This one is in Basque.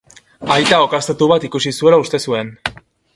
Aita okaztatu bat ikusi zuela uste zuen.